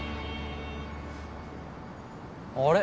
あれ？